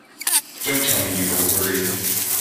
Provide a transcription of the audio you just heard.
Don't tell me you were worried!